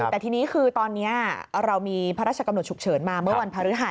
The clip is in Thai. แต่ทีนี้คือตอนนี้เรามีพระราชกำหนดฉุกเฉินมาเมื่อวันพฤหัส